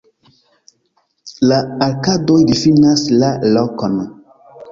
La arkadoj difinas la lokon.